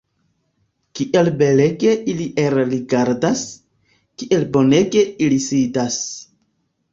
Kiel belege ili elrigardas, kiel bonege ili sidas!